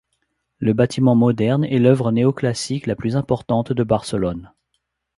Le bâtiment moderne est l’œuvre néoclassique la plus importante de Barcelone.